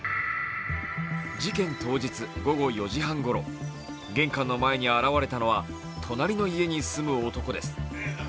事件当日、午後４時半ごろ、玄関の前に現れたのは隣の家に住む男です。